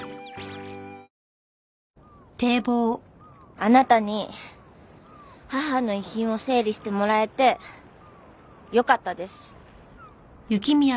あなたに母の遺品を整理してもらえてよかったです。